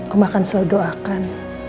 omah akan selalu doakan